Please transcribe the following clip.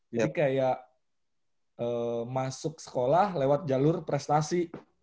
jadi kayak masuk sekolah lewat jalur prestasi